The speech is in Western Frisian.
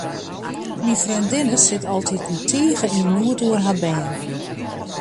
Myn freondinne sit altiten tige yn noed oer har bern.